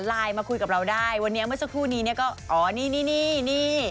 ไลน์มาคุยกับเราได้วันนี้เมื่อสักครู่นี้เนี่ยก็อ๋อนี่นี่